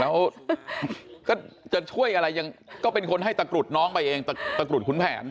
แล้วก็จะช่วยอะไรยังก็เป็นคนให้ตะกรุดน้องไปเองตะกรุดขุนแผน